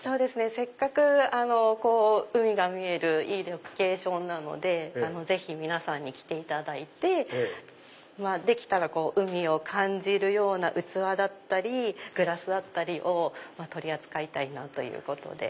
せっかく海が見えるいいロケーションなのでぜひ皆さんに来ていただいてできたら海を感じるような器だったりグラスだったりを取り扱いたいなということで。